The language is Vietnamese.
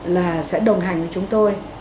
là sẽ đồng hành với chúng tôi